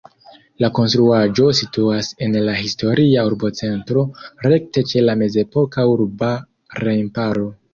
La konstruaĵo situas en la historia urbocentro, rekte ĉe la mezepoka urba remparo.